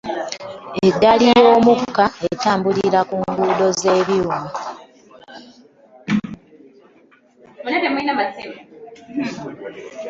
Eggaali y'omuka etambulira ku nguudo z'ebyuma.